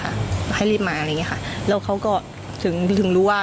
ให้รีบมาอะไรอย่างเงี้ค่ะแล้วเขาก็ถึงถึงรู้ว่า